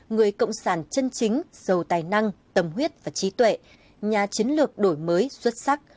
người cộng sản chân chính giàu tài năng tâm huyết và trí tuệ nhà chiến lược đổi mới xuất sắc